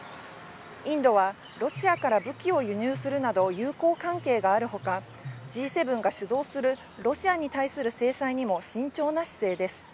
インドはロシアから武器を輸入するなど、友好関係があるほか、Ｇ７が主導するロシアに対する制裁にも慎重な姿勢です。